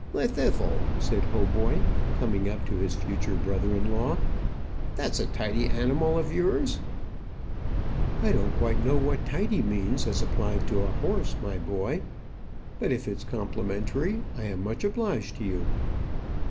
"Llwddythlw," said Hautboy, coming up to his future brother in law, "that's a tidy animal of yours." "I don't quite know what tidy means as applied to a horse, my boy; but if it's complimentary, I am much obliged to you."